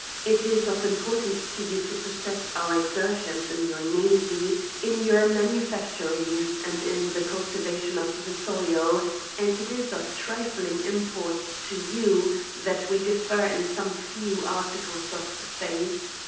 It is of importance to you to possess our exertions in your navy, in your manufactories, and in the cultivation of *the soil ; and, it is of trifling import to you that we differ in some few articles of faith.